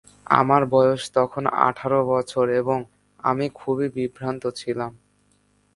আমার বয়স তখন আঠারো বছর এবং আমি খুবই বিভ্রান্ত ছিলাম।